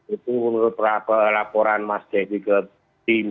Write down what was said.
itu berapa laporan mas dewi ke tim